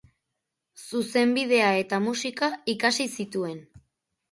Zuzenbidea eta musika ikasi zituen.